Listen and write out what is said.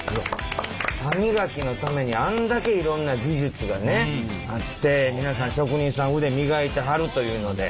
歯磨きのためにあんだけいろんな技術がねあって皆さん職人さん腕磨いてはるというので。